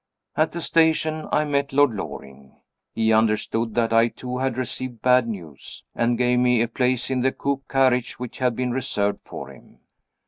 At the station I met Lord Loring. He understood that I too had received bad news, and gave me a place in the coupe carriage which had been reserved for him.